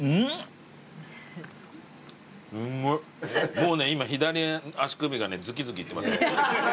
もうね今左足首がねズキズキいってますよ。